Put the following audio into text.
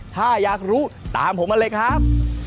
ถ้าอยากรู้ตามผมมาเลยครับ